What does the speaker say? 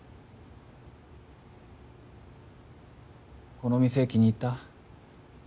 この店気に入った？